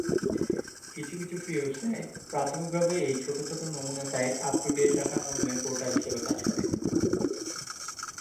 কিছু free website প্রাথমিকভাবে এই ছোট ছোট নমুনা সাইট আপ টু ডেট রাখার মাধ্যমে পোর্টাল হিসাবে কাজ করে।